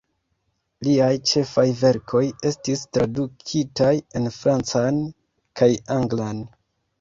Liaj ĉefaj verkoj estis tradukitaj en francan kaj anglan.